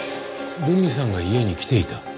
留美さんが家に来ていた？